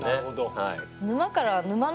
はい。